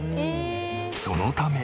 そのため。